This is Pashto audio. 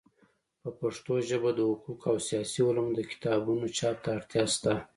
په پښتو ژبه د حقوقو او سیاسي علومو د کتابونو چاپ ته اړتیا سته.